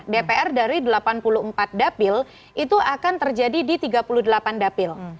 dpr dari delapan puluh empat dapil itu akan terjadi di tiga puluh delapan dapil